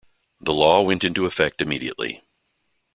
The law went into effect immediately.